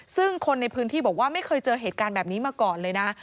ซึ่งคนในพื้นที่บอกว่าไม่เคยเจอเหตุการณ์แบบนี้มาก่อนเลยนะ